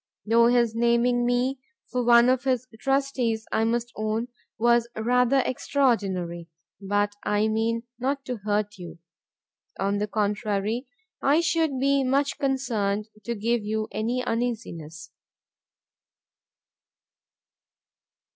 Though his naming me for one of his trustees, I must own, was rather extraordinary; but I mean not to hurt you; on the contrary, I should be much concerned to give you any uneasiness."